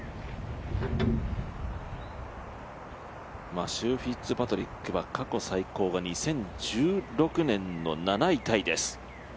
マシュー・フィッツパトリックは過去最高が２０１６年の７位タイです。